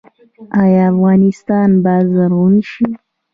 آیا افغانستان به زرغون شي؟